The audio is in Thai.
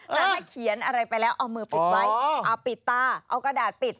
แต่ถ้าเขียนอะไรไปแล้วเอามือปิดไว้เอาปิดตาเอากระดาษปิด